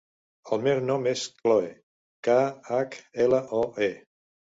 El meu nom és Khloe: ca, hac, ela, o, e.